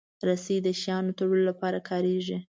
رسۍ د شیانو تړلو لپاره کارېږي.